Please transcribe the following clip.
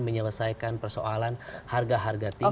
menyelesaikan persoalan harga harga tinggi